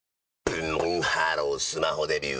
ブンブンハロースマホデビュー！